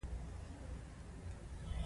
امکان لري چې تولیدونکي لوړه بیه ټاکلې وي